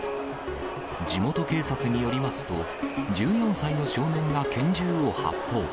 地元警察によりますと、１４歳の少年が拳銃を発砲。